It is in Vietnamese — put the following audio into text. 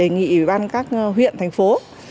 đề nghị ủy ban các huyện thành phố